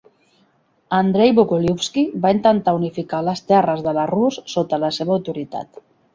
Andrei Bogoliubski va intentar unificar les terres de la Rus sota la seva autoritat.